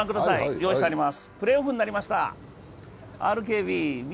用意してあります。